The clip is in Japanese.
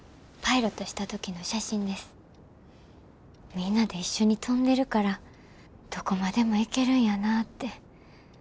みんなで一緒に飛んでるからどこまでも行けるんやなって。